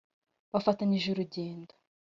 bafatanyije urugendo